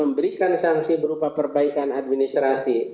memberikan sanksi berupa perbaikan administrasi